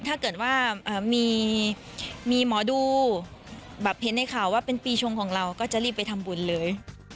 ถ้าเกิดว่ามีหมอดูแบบเห็นในข่าวว่าเป็นปีชงของเราก็จะรีบไปทำบุญเลย